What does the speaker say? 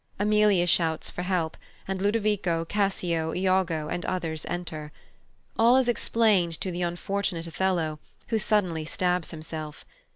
Emilia shouts for help, and Ludovico, Cassio, Iago, and others enter. All is explained to the unfortunate Othello, who suddenly stabs himself.